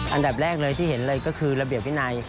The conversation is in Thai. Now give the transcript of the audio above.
อันดับแรกเลยที่เห็นเลยก็คือระเบียบวินัย